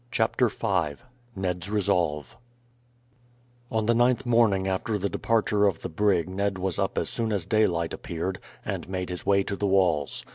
CHAPTER V NED'S RESOLVE On the ninth morning after the departure of the brig Ned was up as soon as daylight appeared, and made his way to the walls.